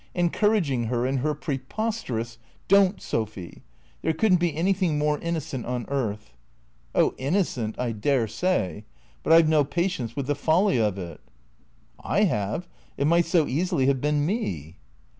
Encouraging her in her preposterous " "Don't, Sophy. There couldn't be anything more innocent on earth." " Oh, innocent, I dare say. But I 've no patience witli the folly of it." " I have. It might so easily have been me."